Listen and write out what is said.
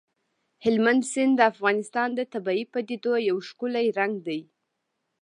هلمند سیند د افغانستان د طبیعي پدیدو یو ښکلی رنګ دی.